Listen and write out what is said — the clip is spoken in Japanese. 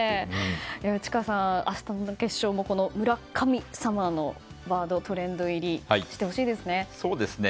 内川さん、明日の決勝も村神様のワードがトレンド入りしてほしいですね。